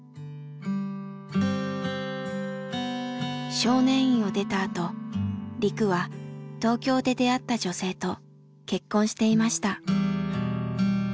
少年院を出たあとリクは東京で出会った女性と結婚していました。